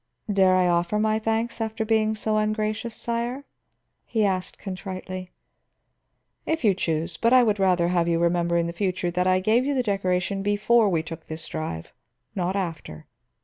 "Dare I offer my thanks after being so ungracious, sire?" he asked contritely. "If you choose. But I would rather have you remember in the future that I gave you the decoration before we took this drive, not after."